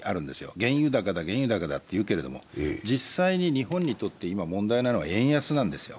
原油高だ、原油高だとはいうけれども、実際に日本にとって問題なのは今、円安なんですよ。